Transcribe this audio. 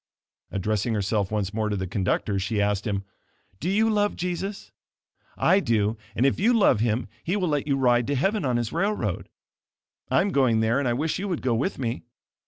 Addressing herself once more to the conductor, she asked him, "Do you love Jesus? I do, and if you love Him, He will let you ride to heaven on His railroad. I am going there and I wish you would go with me.